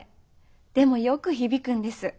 でもよく響くんです。